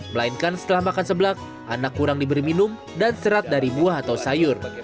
melainkan setelah makan sebelak anak kurang diberi minum dan serat dari buah atau sayur